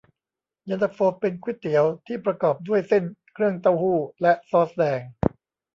เย็นตาโฟเป็นก๋วยเตี๋ยวที่ประกอบด้วยเส้น เครื่องเต้าหู้ และซอสแดง